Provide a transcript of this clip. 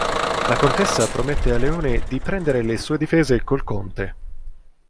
La contessa promette a Leone di prendere le sue difese col conte.